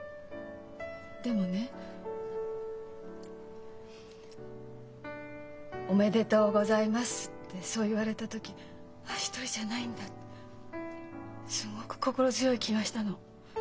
でもね「おめでとうございます」ってそう言われた時「あっ独りじゃないんだ」ってすっごく心強い気がしたの。